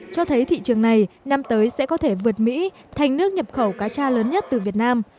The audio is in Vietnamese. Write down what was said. cho thấy thị trường này năm tới sẽ có thể vượt mỹ thành nước nhập khẩu cá cha lớn nhất từ việt nam